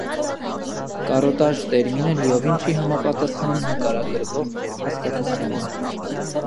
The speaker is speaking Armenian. «Կարոտաժ» տերմինը լիովին չի համապատասխանում նկարագրվող հասկացությանը։